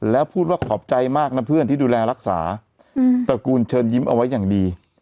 แล้วพูดว่าขอบใจมากนะเพื่อนที่ดูแลรักษาตระกูลเชิญยิ้มเอาไว้อย่างดี